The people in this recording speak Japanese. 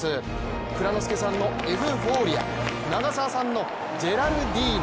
蔵之介さんのエフフォーリア、長澤さんのジェラルディーナ